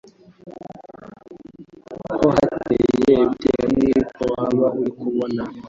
ko hateye bitewe n'ibyo waba uri kubona,